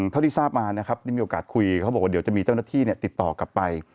เท่าที่ทราบมานะครับได้มีโอกาสคุยเขาบอกว่าเดี๋ยวจะมีเจ้าหน้าที่ติดต่อกลับไป